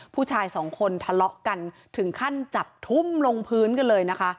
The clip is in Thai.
ผู้ชายสองคนทะเลาะกันถึงขั้นจับทุ่มลงพื้นกันเลยนะคะ